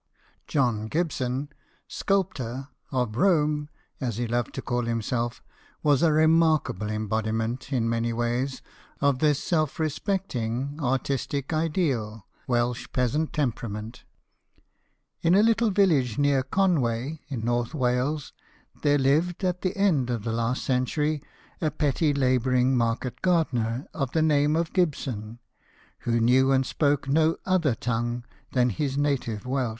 John Gibson, sculptor, of Rome, as he loved to call himself, was a remarkable embodiment, in many ways, of this self respecting, artistic, ideal Welsh peasant temperament. In a little village near Conway, in North Wales, there lived at the end of the last century a petty labouring market gardener of the name of Gibson, who knew and spoke no other tongue 62 BIOGRAPHIES OF WORKING MEN.